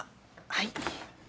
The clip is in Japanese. はい。